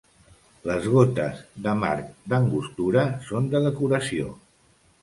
Les gotes d'amarg d'Angostura són de decoració.